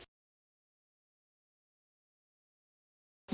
จอหัวหนี